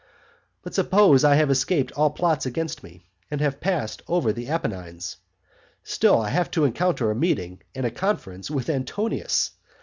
But suppose I have escaped all plots against me, and have passed over the Apennines; still I have to encounter a meeting and conference with Antonius.